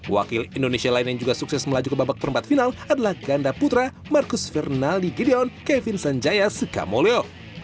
wakil indonesia lain yang juga sukses melaju ke babak perempat final adalah ganda putra marcus fernaldi gideon kevin sanjaya sukamulyo